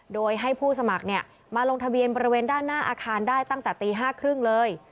โดยให้ผู้สมัครมาลงทะเบียนบริเวณด้านหน้าอาคารได้ตั้งแต่ตี๕๓๐เลย